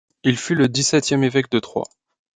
Il fut le dix-septième évêque de Troyes.